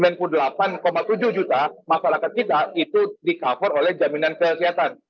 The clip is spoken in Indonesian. rp sembilan puluh delapan tujuh juta masalah ketiga itu di cover oleh jaminan kesehatan